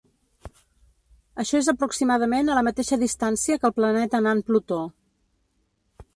Això és aproximadament a la mateixa distància que el planeta nan Plutó.